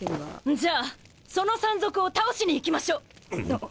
じゃあその山賊を倒しに行きましょう！あっ！？